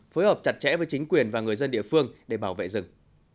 phối hợp chặt chẽ với chính quyền và người dân địa phương để bảo vệ rừng